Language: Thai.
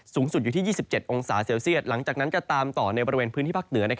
สูงสุดอยู่ที่๒๗องศาเซลเซียตหลังจากนั้นจะตามต่อในบริเวณพื้นที่ภาคเหนือ